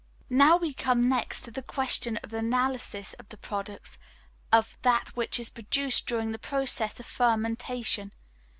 Now we come next to the question of the analysis of the products, of that which is produced during the process of fermentation.